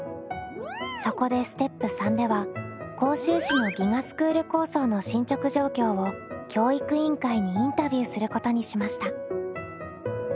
そこでステップ３では甲州市の「ＧＩＧＡスクール構想」の進捗状況を教育委員会にインタビューすることにしました。